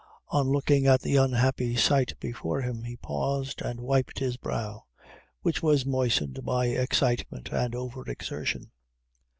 On looking at the unhappy sight before him, he paused and wiped his brow, which was moistened by excitement and over exertion.